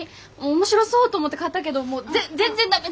面白そうと思って買ったけど全然駄目。